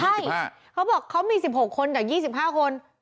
ใช่เขาบอกเขามี๑๖คนจาก๒๕คน